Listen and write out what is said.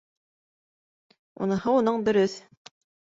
— Уныһы уның дөрөҫ.